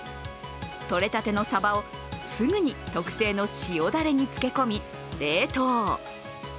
とれたてのさばをすぐに特製の塩だれにつけ込み、冷凍。